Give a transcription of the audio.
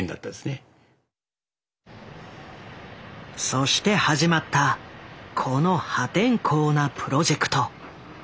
そして始まったこの破天荒なプロジェクト。